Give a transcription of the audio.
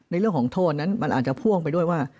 เรื่องของโทษนั้นมันอาจจะพ่วงไปด้วยว่า